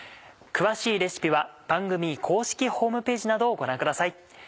詳しいレシピは番組公式ホームページなどをご覧ください。